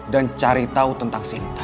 dan cari tahu tentang sinta